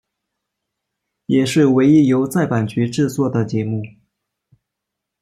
也是唯一由在阪局制作的节目。